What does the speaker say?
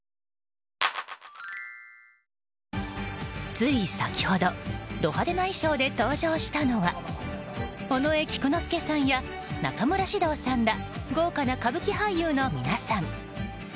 つい先ほどド派手な衣装で登場したのは尾上菊之助さんや中村獅童さんら豪華な歌舞伎俳優の皆さん。